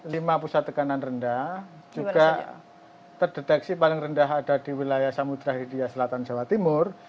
lima pusat tekanan rendah juga terdeteksi paling rendah ada di wilayah samudera hindia selatan jawa timur